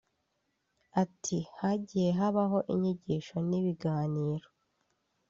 Ati “Hagiye habaho inyigisho n’ibiganiro